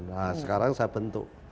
nah sekarang saya bentuk